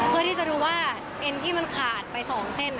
เพื่อที่จะรู้ว่าเอ็นที่มันขาดไป๒เส้น